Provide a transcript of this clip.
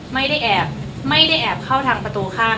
ไม่ได้แอบไม่ได้แอบเข้าทางประตูข้าง